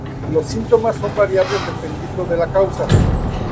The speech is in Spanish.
Los síntomas son variables dependiendo de la causa.